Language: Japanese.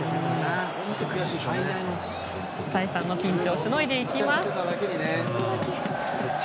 再三のピンチをしのいでいきます。